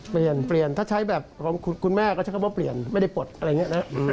เปลี่ยนเปลี่ยนถ้าใช้แบบของคุณแม่ก็ใช้คำว่าเปลี่ยนไม่ได้ปลดอะไรอย่างนี้นะ